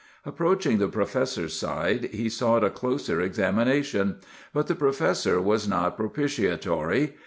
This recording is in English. "Approaching the professor's side, he sought a closer examination; but the professor was not propitiatory.